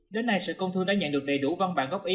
đến nay sở công thương đã nhận được đầy đủ văn bản gốc ý